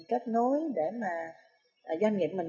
kết nối để mà doanh nghiệp mình